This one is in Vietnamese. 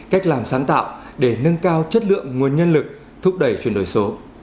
cách làm sáng tạo để nâng cao chất lượng nguồn nhân lực thúc đẩy chuyển đổi số